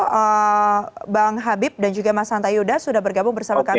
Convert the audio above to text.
bapak bang habib dan juga mas santa yuda sudah bergabung bersama kami